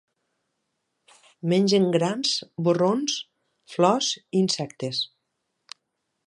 Mengen grans, borrons, flors i insectes.